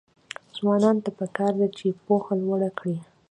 ځوانانو ته پکار ده چې، پوهه لوړه کړي.